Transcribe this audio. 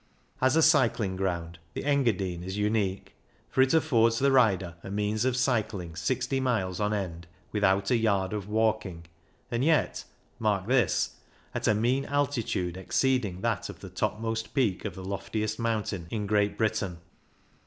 As a cycling ground the Engadine is unique, for it affords the rider a means of cycling sixty miles on end with out a yard of walking, and yet — mark this — at a mean altitude exceeding that of the topmost peak of the loftiest mountain in Great Britain.